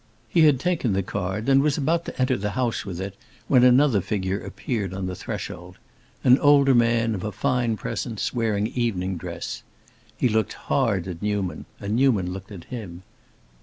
He had taken the card and was about to enter the house with it when another figure appeared on the threshold—an older man, of a fine presence, wearing evening dress. He looked hard at Newman, and Newman looked at him.